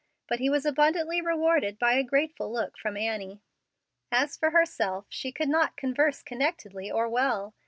But he was abundantly rewarded by a grateful look from Annie. As for herself, she could not converse connectedly or well.